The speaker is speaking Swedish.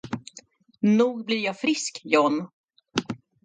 Nog blir jag frisk, John.